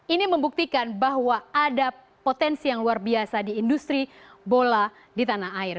ini membuktikan bahwa ada potensi yang luar biasa di industri bola di tanah air